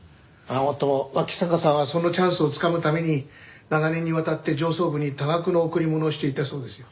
もっとも脇坂さんはそのチャンスをつかむために長年にわたって上層部に多額の贈り物をしていたそうですよ。